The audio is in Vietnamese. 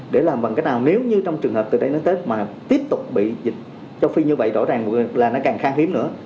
để làm bằng cái nào nếu như trong trường hợp từ đây đến tết mà tiếp tục bị dịch châu phi như vậy rõ ràng là nó càng khang hiếm nữa